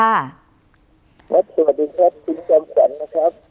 สวัสดีครับคุณจอมขวัญนะครับ